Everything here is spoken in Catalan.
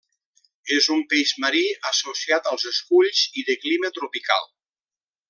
És un peix marí, associat als esculls i de clima tropical.